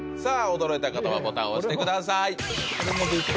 驚いた方はボタンを押してください